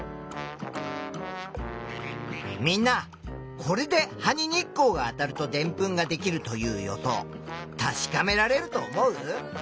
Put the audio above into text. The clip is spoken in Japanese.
みんなこれで葉に日光があたるとでんぷんができるという予想確かめられると思う？